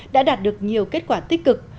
đã đạt được nhiều kết quả tích cực